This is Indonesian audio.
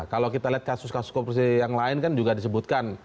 kalau kita lihat kasus kasus korupsi yang lain kan juga disebutkan